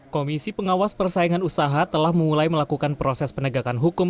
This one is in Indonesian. komisi pengawas persaingan usaha telah mulai melakukan proses penegakan hukum